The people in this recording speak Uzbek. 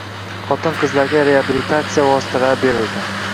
Xotin-qizlarga reabilitatsiya vositalari berildi